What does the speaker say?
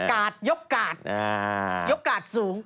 ยกกาดยกกาดสูง